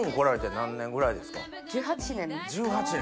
１８年？